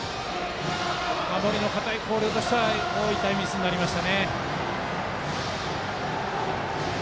守りの堅い広陵としては痛いミスになりました。